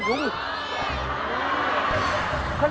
เกิดอะไรขึ้น